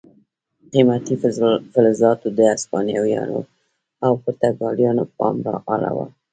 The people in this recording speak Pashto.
قیمتي فلزاتو د هسپانویانو او پرتګالیانو پام را اړاوه.